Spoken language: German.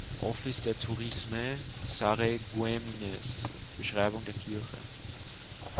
Office de Tourisme Sarreguemines: Beschreibung der Kirche